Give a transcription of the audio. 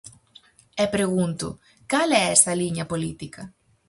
E pregunto, cal é esa liña política?